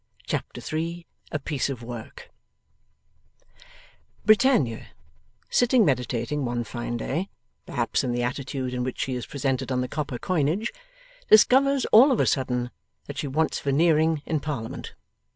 Chapter 3 A PIECE OF WORK Britannia, sitting meditating one fine day (perhaps in the attitude in which she is presented on the copper coinage), discovers all of a sudden that she wants Veneering in Parliament.